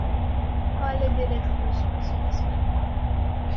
حال دلت خوش باشه عشقم